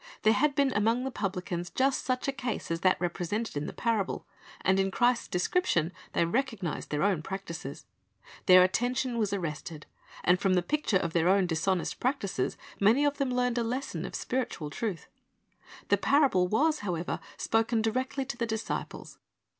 There had been among the publicans just such a case as that repre sented in the parable, and in Christ's descrip tion they recognized their own practises. Their attention was arrested, and from the picture of their own dishonest practises many of them learned a lesson of spiritual truth. The parable was, however, spoken directly to the disciples.